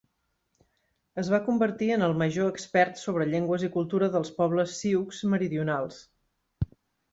Es va convertir en el major expert sobre llengües i cultura dels pobles sioux meridionals.